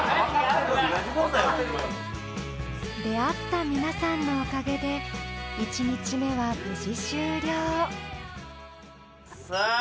出会った皆さんのおかげで１日目は無事終了さぁ！